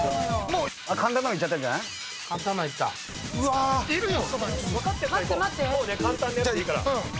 もうね簡単なやつでいいから。